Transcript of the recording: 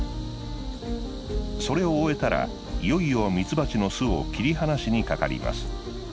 それを終えたらいよいよミツバチの巣を切り離しにかかります。